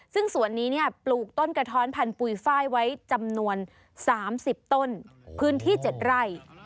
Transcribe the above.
ซึ่งสวนนี้ปลูกต้นกระท้อนพันธุยไฟล์ไว้จำนวน๓๐ต้นพื้นที่๗ไร่